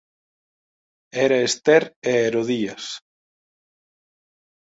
Era Esther e Herodías.